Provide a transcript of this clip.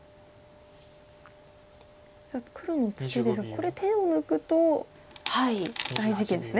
さあ黒のツケですがこれ手を抜くと大事件ですね。